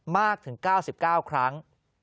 มากถึง๙๙ครั้ง